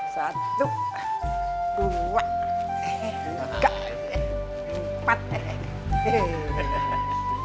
ya tidak ada kebebasan